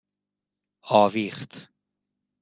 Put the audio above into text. آویخت